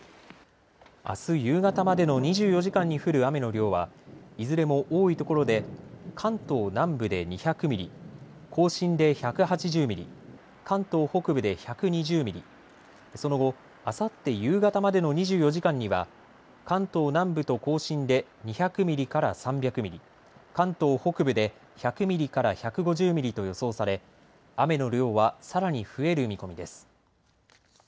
あす夕方までの２４時間に降る雨の量は、いずれも多いところで関東南部で２００ミリ、甲信で１８０ミリ、関東北部で１２０ミリ、その後、あさって夕方までの２４時間には関東南部と甲信で２００ミリから３００ミリ、関東北部で１００ミリから１５０ミリと予想され雨の量はさらに増える見込みです。